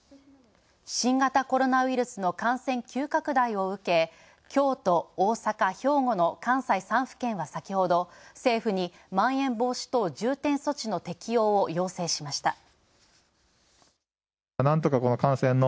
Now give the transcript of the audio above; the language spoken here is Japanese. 新型コロナウイルスの感染急拡大を受け、京都、大阪、兵庫の関西３府県は先ほど政府に「まん延防止等重点措置」の適用を要請しました。